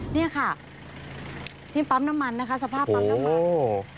นี่ค่ะนี่ปั๊มน้ำมันนะคะสภาพปั๊มน้ำมัน